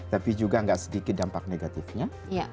tapi juga nggak sedikit dampak negatifnya